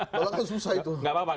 kalau aku susah itu